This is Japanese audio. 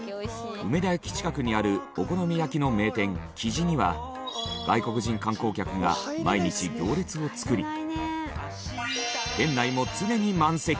梅田駅近くにあるお好み焼きの名店きじには外国人観光客が毎日行列を作り店内も常に満席。